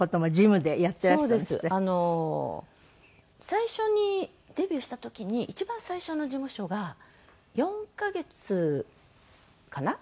最初にデビューした時に一番最初の事務所が４カ月かな？